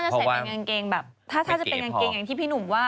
จะใส่เป็นกางเกงแบบถ้าจะเป็นกางเกงอย่างที่พี่หนุ่มว่า